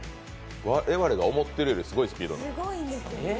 我々が思っているよりすごいスピード。